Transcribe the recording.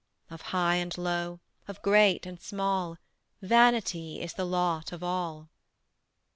Of high and low, of great and small, Vanity is the lot of all.